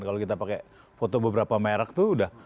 kalau kita pakai foto beberapa merk tuh